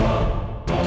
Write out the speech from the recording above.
nggak nggak kena